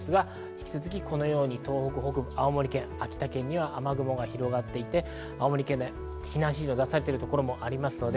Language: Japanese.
引き続き、このように東北北部、青森県、秋田県には雨雲が広がっていて、青森県内に避難指示が出されているところもあります。